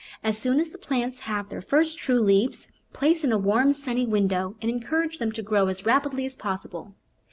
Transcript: As soon as the plants have their first true leaves place in a warm, sunny window and encourage them to grow as rapidly as possible.